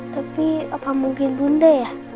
tapi apa mungkin bunda ya